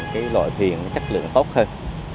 gọi thuyền chất lượng tốt hơn